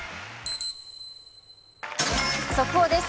速報です。